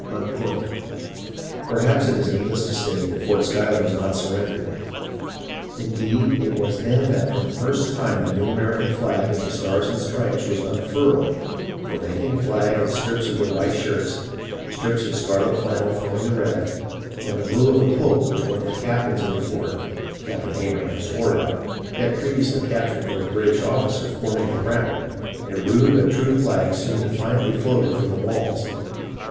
Perhaps it is needless to state that Fort Schuyler zvas not surrendered. Indeed, it was then that for the first time the new American flag of the stars and stripes was un furled ; for, making a flag of strips of their white shirts, strips of scarlet flannel forming the red, and the blue of a cloak which one of the captains in the fort (Captain Abra ham Swartout) had previously captured from a British officer, forming the ground, a rude but true flag soon defi antly floated from the walls.